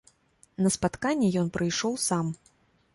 На спатканне ён прыйшоў сам.